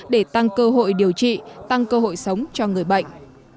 để tăng cơ hội điều trị tăng cơ hội sống cho người bệnh